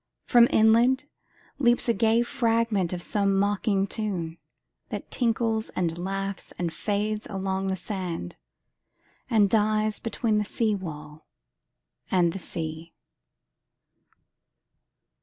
From inlandLeaps a gay fragment of some mocking tune, That tinkles and laughs and fades along the sand, And dies between the seawall and the sea.